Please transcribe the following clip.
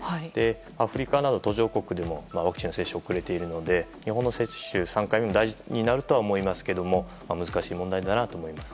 アフリカなど途上国でもワクチン接種が遅れているので、日本の接種３回目も大事になるとは思いますけれども難しい問題だなと思います。